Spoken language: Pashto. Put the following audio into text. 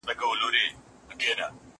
که وخت وي، بازار ته ځم!!